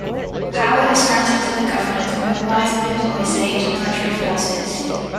Power is granted to the governor to mobilize and deploy state military forces.